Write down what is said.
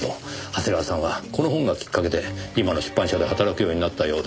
長谷川さんはこの本がきっかけで今の出版社で働くようになったようですよ。